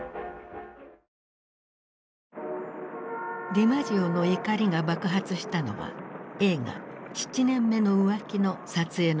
ディマジオの怒りが爆発したのは映画「七年目の浮気」の撮影の時だった。